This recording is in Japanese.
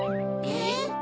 えっ？